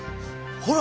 ほら！